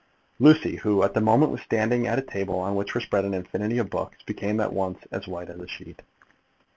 Lucy, who at the moment was standing at a table on which were spread an infinity of books, became at once as white as a sheet.